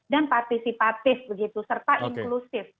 dan partisipatif begitu serta inklusif